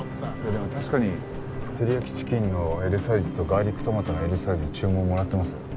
でも確かに照り焼きチキンのＬサイズとガーリックトマトのＬサイズ注文もらってます。